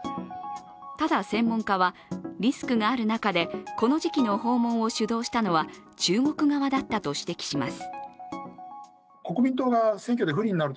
ただ専門家は、リスクがある中でこの時期の訪問を主導したのは中国側だったと指摘します。